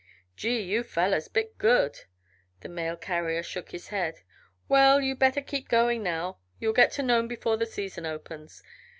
"Gee! You fellers bit good." The mail carrier shook his head. "Well! You'd better keep going now; you'll get to Nome before the season opens.